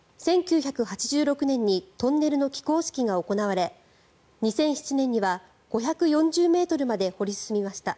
１９８６年にトンネルの起工式が行われ２００７年には５４０ｍまで掘り進みました。